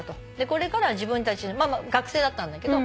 これからは学生だったんだけど。